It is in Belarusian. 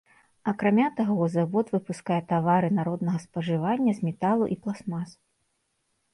Акрамя таго завод выпускае тавары народнага спажывання з металу і пластмас.